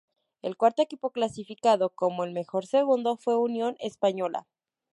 El cuarto equipo clasificado como el mejor segundo fue Unión Española.